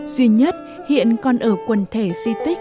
duy nhất hiện còn ở quần thể si tích